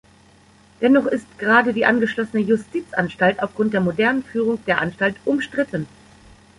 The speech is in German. Dennoch ist gerade die angeschlossene Justizanstalt aufgrund der modernen Führung der Anstalt umstritten.